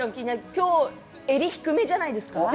今日、襟、低めじゃないですか。